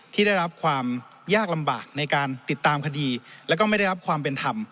ที่ได้รับความยากลำบากในการติดตามคดีแล้วก็ไม่ได้รับความเป็นธรรม